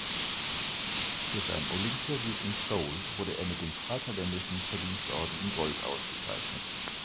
Für seinen Olympiasieg in Seoul wurde er mit dem Vaterländischen Verdienstorden in Gold ausgezeichnet.